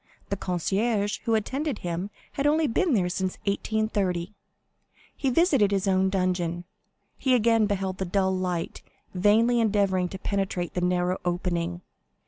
The concierge who attended him had only been there since 1830. He visited his own dungeon. He again beheld the dull light vainly endeavoring to penetrate the narrow opening.